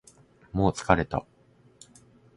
もう疲れた